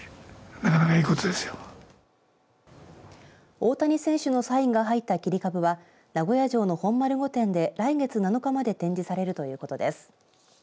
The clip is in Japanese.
大谷選手のサインが入った切り株は名古屋城の本丸御殿で来月７日まで展示されるということです。